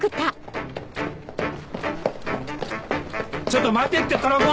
ちょっと待てってトラコ！